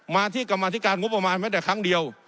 มาที่กรรมธิการงบประมาณแม้แต่ครั้งเดียว